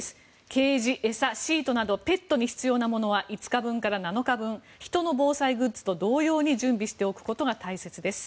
ケージ、餌、シートなどペットに必要なものは５日分から７日分人の防災グッズと同様に準備しておくことが大切です。